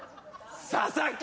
「佐々木」！